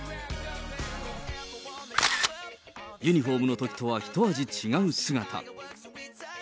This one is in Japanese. ユニホームのときとは一味違う姿。